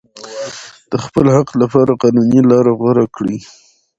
د خپل حق لپاره قانوني لاره غوره کړئ.